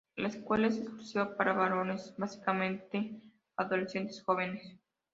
La escuela es exclusiva para varones, básicamente adolescentes jóvenes.